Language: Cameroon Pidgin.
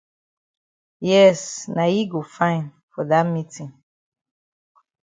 Yes na yi go fine for dat meetin.